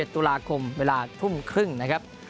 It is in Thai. ตุลาคมเวลาทุ่มครึ่งนะครับ